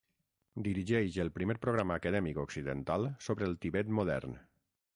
Dirigeix el primer programa acadèmic occidental sobre el Tibet modern.